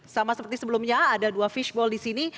sama seperti sebelumnya ada dua fishball di sini